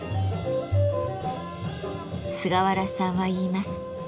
菅原さんは言います。